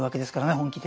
本気で。